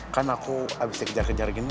kan aku habis dikejar kejar gini